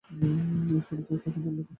শুরুতে তাকে দলে রাখা হয়নি।